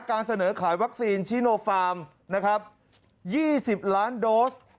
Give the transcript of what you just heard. การเสนอขายวัคซีนซิโนฟาร์ม๒๐ล้านโดส